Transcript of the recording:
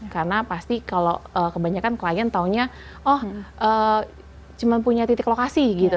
karena pasti kalau kebanyakan klien taunya oh cuma punya titik lokasi gitu